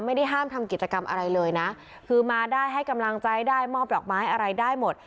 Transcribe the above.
ไม่ได้ห้ามทำกิจกรรมอะไรเลยนะคือมาได้ให้กำลังใจได้มอบดอกไม้อะไรได้หมด